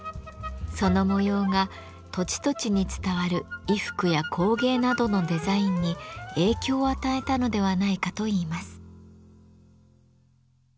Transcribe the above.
その模様が土地土地に伝わる衣服や工芸などのデザインに影響を与えたのではないかといいます。